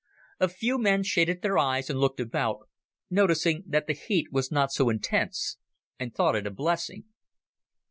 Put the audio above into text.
A few men shaded their eyes and looked about, noticing that the heat was not so intense and thought it a blessing.